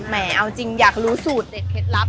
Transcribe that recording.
เอาจริงอยากรู้สูตรเด็ดเคล็ดลับ